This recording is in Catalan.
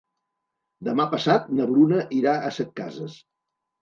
Demà passat na Bruna irà a Setcases.